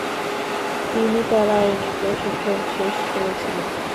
তিনি তাঁর আইনি প্রশিক্ষণ শেষ করেছিলেন।